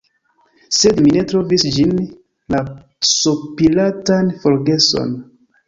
Sed mi ne trovis ĝin, la sopiratan forgeson.